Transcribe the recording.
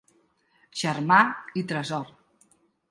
Germà i tresor.